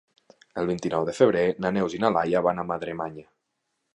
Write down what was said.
El vint-i-nou de febrer na Neus i na Laia van a Madremanya.